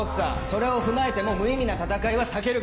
それを踏まえても無意味な戦いは避けるべきくさ。